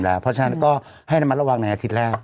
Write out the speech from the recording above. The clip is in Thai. เพราะฉะนั้นก็ให้ระมัดระวังในอาทิตย์แรก